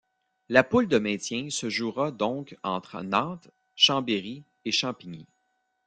La poule de maintien se jouera donc entre Nantes, Chambéry et Champigny.